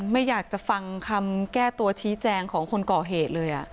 ไม่อยากจะฟังคำแก้ตัวชี้แจงของคนก่อเหตุเลย